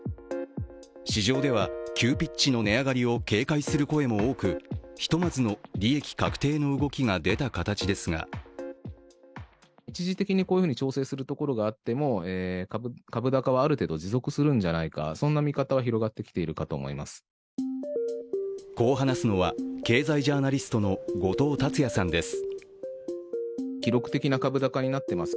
市場では急ピッチの値上がりを警戒する声も多く、ひとまずの利益確定の動きが出た形ですがこう話すのは経済ジャーナリストの後藤達也さんです。